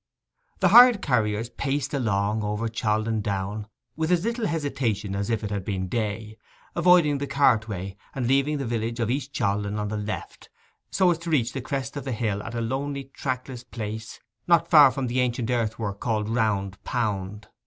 The hired carriers paced along over Chaldon Down with as little hesitation as if it had been day, avoiding the cart way, and leaving the village of East Chaldon on the left, so as to reach the crest of the hill at a lonely trackless place not far from the ancient earthwork called Round Pound.